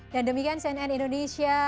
dan demikian cnn indonesia